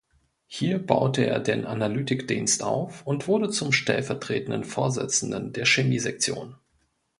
Hier baute er den Analytik-Dienst auf und wurde zum stellvertretenden Vorsitzenden der Chemie-Sektion.